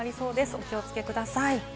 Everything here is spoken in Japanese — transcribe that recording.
お気をつけください。